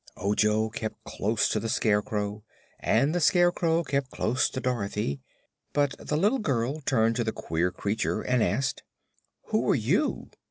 Ojo kept close to the Scarecrow and the Scarecrow kept close to Dorothy; but the little girl turned to the queer creatures and asked: "Who are you?"